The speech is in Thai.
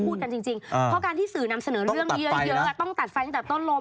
เพราะการที่สื่อนำเสนอเรื่องนี้เยอะต้องตัดฟังตั้งแต่ตอนลม